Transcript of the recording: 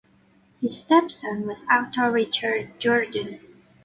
His stepson was actor Richard Jordan.